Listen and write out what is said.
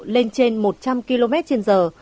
lên trên một trăm linh km trên giờ